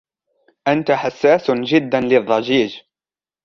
أنت حساس جدا للضجيج.